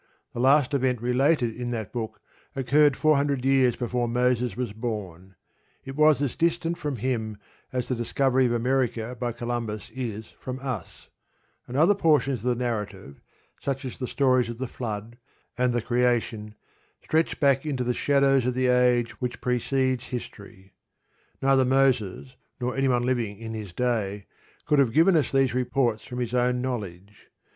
The last event related in that book occurred four hundred years before Moses was born; it was as distant from him as the discovery of America by Columbus is from us; and other portions of the narrative, such as the stories of the Flood and the Creation, stretch back into the shadows of the age which precedes history. Neither Moses nor any one living in his day could have given us these reports from his own knowledge.